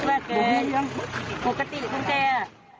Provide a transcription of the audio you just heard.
ว่ามาส่วนดีกรุ่นครับ